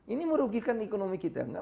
ini merugikan ekonomi kita